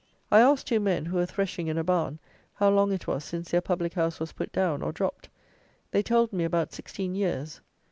I asked two men, who were threshing in a barn, how long it was since their public house was put down, or dropped? They told me about sixteen years.